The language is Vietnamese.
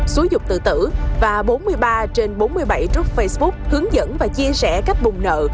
xúi dục tự tử và bốn mươi ba trên bốn mươi bảy group facebook hướng dẫn và chia sẻ cách bùng nợ